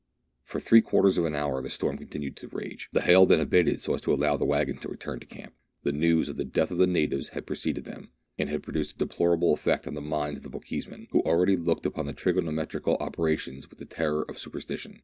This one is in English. For three quarters of an hour the storm con tinued to rage ; the hail then abated so as to allow the waggon to return to camp. The news of the death of the natives had preceded them, and had produced a deplorable effect on the minds of the Bochjesmen, who already looked upon the trigonometrical operations with the terror of superstition.